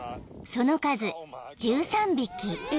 ［その数１３匹］